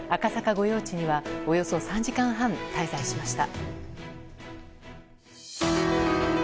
御用地にはおよそ３時間半滞在しました。